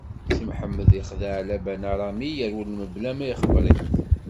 Si Mḥemmed ixdeɛ Laban Arami, irwel mebla ma ixebbeṛ-it.